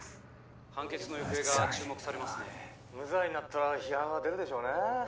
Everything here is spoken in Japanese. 「無罪になったら批判は出るでしょうねえ」